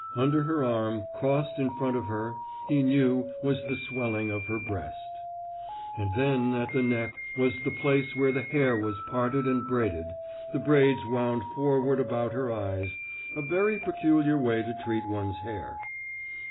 Under her arm, crossed in front of her, he knew was the swelling of her breast. And then at the neck was the place where the hair was parted and braided, the braids wound forward about her eyes a very peculiar way to treat one's hair.